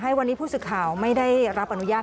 วันนี้ผู้สื่อข่าวไม่ได้รับอนุญาต